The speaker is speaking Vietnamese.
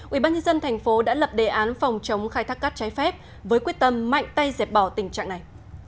ubnd tp đã lập đề án phòng chống khai thác cát trái phép với quyết tâm mạnh tay dẹp bỏ tình trạng này